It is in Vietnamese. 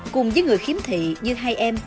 cùng với người khiếm thị như hai em